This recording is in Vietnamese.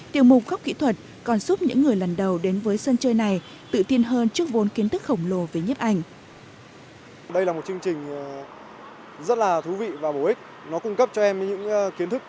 tiểu mục góc kỹ thuật còn giúp những người lần đầu đến với các nhà nhấp ảnh chuyên nghiệp